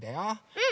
うん。